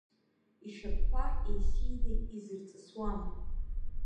Ишьапқәа еисины изырҵысуам.